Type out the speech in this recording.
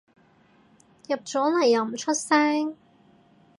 入咗嚟又唔出聲